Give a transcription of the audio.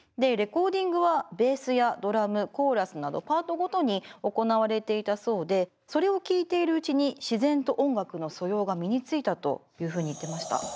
レコーディングはベースやドラムコーラスなどパートごとに行われていたそうでそれを聴いているうちに自然と音楽の素養が身についたというふうに言ってました。